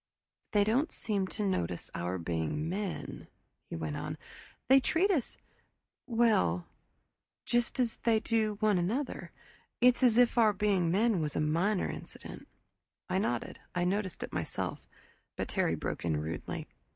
"They don't seem to notice our being men," he went on. "They treat us well just as they do one another. It's as if our being men was a minor incident." I nodded. I'd noticed it myself. But Terry broke in rudely.